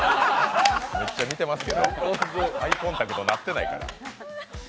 めっちゃ見てますやんアイコンタクトになってないから。